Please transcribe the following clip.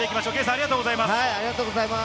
ありがとうございます。